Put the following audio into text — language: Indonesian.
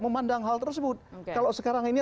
memandang hal tersebut kalau sekarang ini